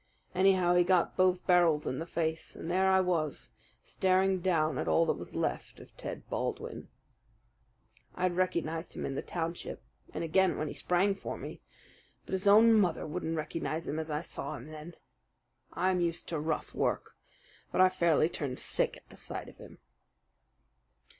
Anyhow, he got both barrels in the face, and there I was, staring down at all that was left of Ted Baldwin. I'd recognized him in the township, and again when he sprang for me; but his own mother wouldn't recognize him as I saw him then. I'm used to rough work; but I fairly turned sick at the sight of him.